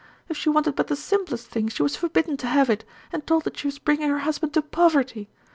If she wanted but the simplest thing, she was forbidden to have it, and told that she was bringing her husband to poverty.